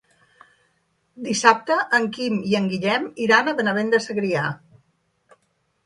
Dissabte en Quim i en Guillem iran a Benavent de Segrià.